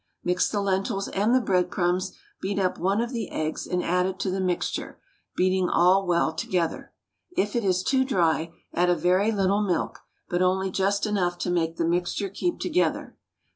Mix the lentils and the breadcrumbs, beat up one of the eggs and add it to the mixture, beating all well together. If it is too dry, add a very little milk, but only just enough to make the mixture keep together.